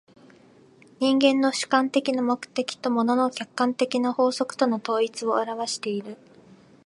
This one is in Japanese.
人間の主観的な目的と物の客観的な法則との統一を現わしている。